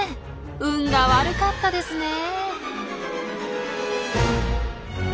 運が悪かったですねえ。